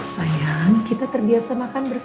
jincinya dibaca sama bandit